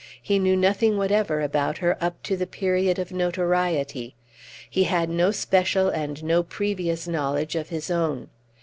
He knew nothing whatever about her up to the period of notoriety; he had no special and no previous knowledge of his own.